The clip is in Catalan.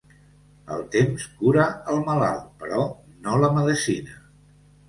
El temps cura el malalt, però no la medecina.